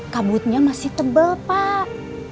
kabutnya masih tebel pak